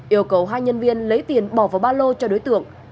yêu cầu hai nhân viên lấy tiền bỏ vào ba lô cho đối tượng